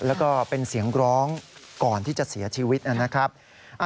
แล้วก็เป็นเสียงร้องก่อนที่จะเสียชีวิตนะครับ